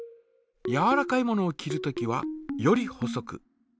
やわらかいものを切るときはより細く。